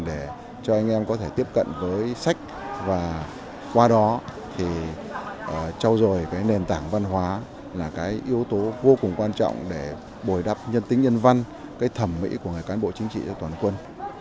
để cho anh em có thể tiếp cận với sách và qua đó thì trao dồi cái nền tảng văn hóa là cái yếu tố vô cùng quan trọng để bồi đắp nhân tính nhân văn cái thẩm mỹ của người cán bộ chính trị cho toàn quân